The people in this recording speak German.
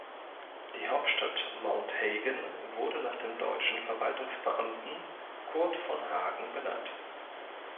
Die Hauptstadt Mount Hagen wurde nach dem deutschen Verwaltungsbeamten Curt von Hagen benannt.